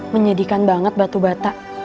menyedihkan banget batu bata